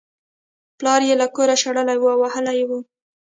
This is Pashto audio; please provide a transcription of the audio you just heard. پلار یې له کوره شړلی و او وهلی یې و